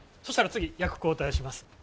そしたら次役交代します。